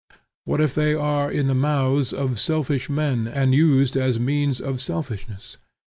What if they are in the mouths of selfish men, and used as means of selfishness?